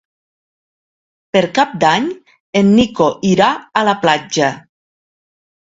Per Cap d'Any en Nico irà a la platja.